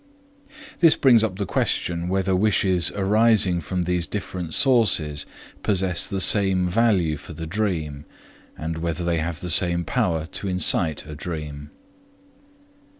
This brings up the question whether wishes arising from these different sources possess the same value for the dream, and whether they have the same power to incite a dream.